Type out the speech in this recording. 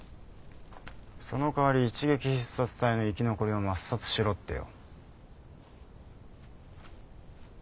そのかわり一撃必殺隊の生き残りを抹殺しろってよ。